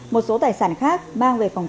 một số tài sản khác mang về phòng trọ